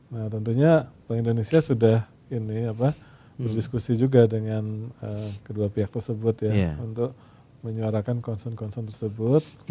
nah tentunya bank indonesia sudah berdiskusi juga dengan kedua pihak tersebut ya untuk menyuarakan concern concern tersebut